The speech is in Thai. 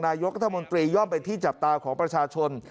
นายกรัฐมนตรีย่อมเป็นที่จับตาของประชาชน